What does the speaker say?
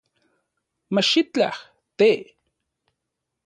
Machitlaj, te